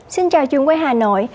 xin chào chương quay hà nội